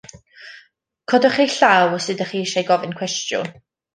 Codwch eich llaw os ydych chi eisiau gofyn cwestiwn.